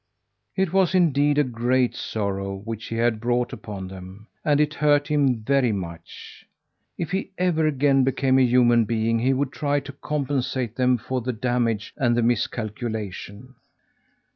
It was indeed a great sorrow which he had brought upon them, and it hurt him very much. If he ever again became a human being, he would try to compensate them for the damage and miscalculation.